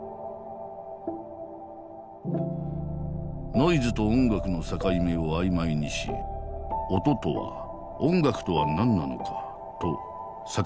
ノイズと音楽の境目を曖昧にし音とは音楽とは何なのかと坂本は問いかける。